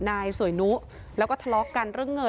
เป็นตัวนึง